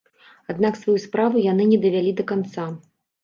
Аднак сваю справу яны не давялі да канца.